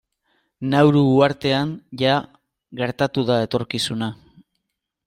Nauru uhartean jada gertatu da etorkizuna.